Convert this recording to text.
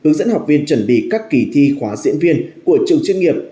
hướng dẫn học viên chuẩn bị các kỳ thi khóa diễn viên của trường chuyên nghiệp